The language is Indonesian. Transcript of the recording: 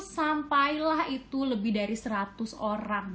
sampailah itu lebih dari seratus orang